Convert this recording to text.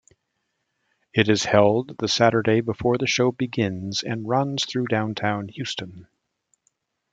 It is held the Saturday before the show begins and runs through downtown Houston.